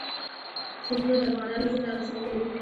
سیندونه د افغانانو ژوند اغېزمن کوي.